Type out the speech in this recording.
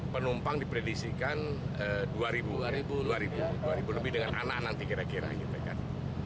penumpang dipredisikan dua ribu dua ribu lebih dengan anak anak kira kira gitu kan